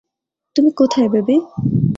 তুমি কোথায়, বেবি?